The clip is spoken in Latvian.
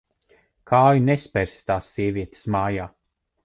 Kāju nespersi tās sievietes mājā.